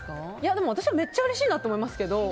でも私はめっちゃうれしいなと思いますけど。